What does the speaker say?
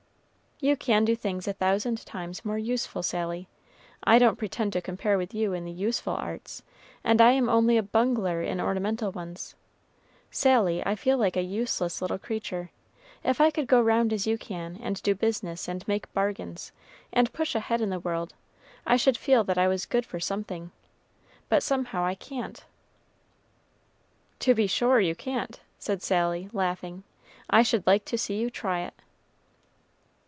"You can do things a thousand times more useful, Sally. I don't pretend to compare with you in the useful arts, and I am only a bungler in ornamental ones. Sally, I feel like a useless little creature. If I could go round as you can, and do business, and make bargains, and push ahead in the world, I should feel that I was good for something; but somehow I can't." "To be sure you can't," said Sally, laughing. "I should like to see you try it."